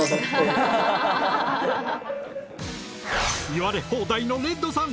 言われ放題のレッドさん。